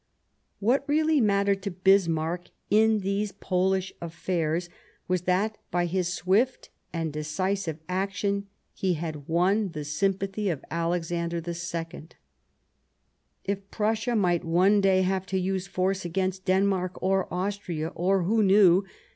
What really mattered to Bismarck in these Polish affairs was that by his swift and decisive action he had won the sympathy of Alexander II. If Prussia might one day have to use force against Denmark, or Austria, or — who knew